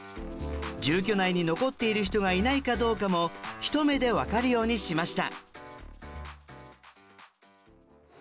住居内に残っている人がいないかどうかも一目で分かるようにしました。